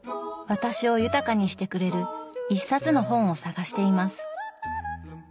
私を豊かにしてくれる一冊の本を探しています。